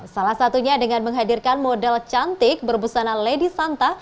salah satunya dengan menghadirkan model cantik berbusana lady santa